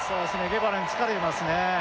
ゲバラにつかれてますね